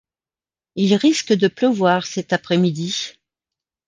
Il risque de pleuvoir cet après midi.